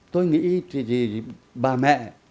tôi nghĩ bà mẹ